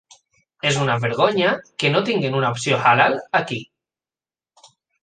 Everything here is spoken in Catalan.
És una vergonya que no tinguin una opció halal aquí.